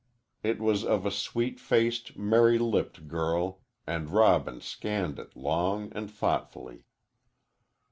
It was of a sweet faced, merry lipped girl, and Robin scanned it long and thoughtfully.